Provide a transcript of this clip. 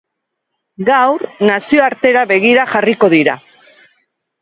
Gaur, nazioartera begira jarriko dira.